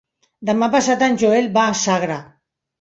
Demà passat en Joel va a Sagra.